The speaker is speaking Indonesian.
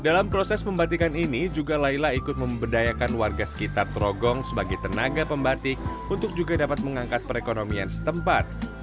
dalam proses pembatikan ini juga laila ikut memberdayakan warga sekitar trogong sebagai tenaga pembatik untuk juga dapat mengangkat perekonomian setempat